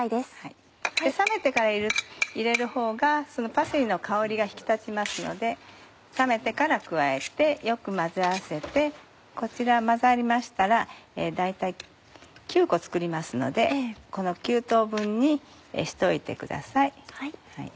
冷めてから入れるほうがパセリの香りが引き立ちますので冷めてから加えてよく混ぜ合わせてこちら混ざりましたら大体９個作りますので９等分にしておいてください。